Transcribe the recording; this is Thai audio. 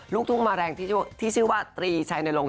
ลูกทุกมะเร็งที่ชื่อว่าตรีใช่นโลง